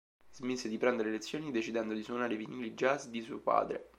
Smise di prendere lezioni decidendo di suonare i vinili jazz di suo padre.